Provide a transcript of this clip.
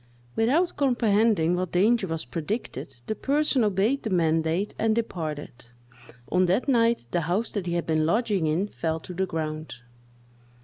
Without comprehending what danger was predicted, the person obeyed the mandate and departed. On that night the house that he had been lodging in fell to the ground.